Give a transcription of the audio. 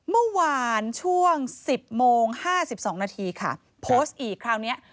เมื่อวานช่วง๑๐โมง๕๒นาทีค่ะโพสต์อีกคราวนี้